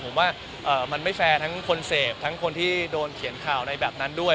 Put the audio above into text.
ผมว่ามันไม่แฟร์ทั้งคนเสพทั้งคนที่โดนเขียนข่าวในแบบนั้นด้วย